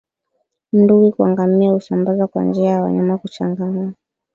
Ndui kwa ngamia husambazwa kwa njia ya wanyama kuchangamana